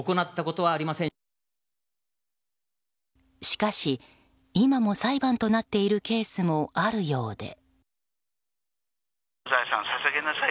しかし、今も裁判となっているケースもあるようで。